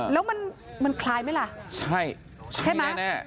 แล้วมันคล้ายไหมล่ะใช่ใช่ไหม